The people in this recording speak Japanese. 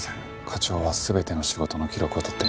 課長は全ての仕事の記録を録っていました。